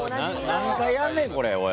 何回やんねんこれ、おい！